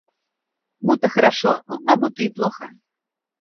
Будто хорошо, а будто и плохо.